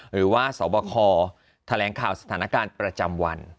หรือว่าสบคแถลงข่าวสถานการณ์ประจำวัน